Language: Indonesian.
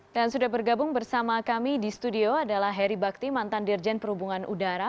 dan sudah bergabung bersama kami di studio adalah heri bakti mantan dirjen perhubungan udara